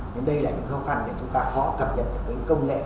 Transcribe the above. nhưng đây là những khó khăn để chúng ta khó cập nhật những công nghệ mới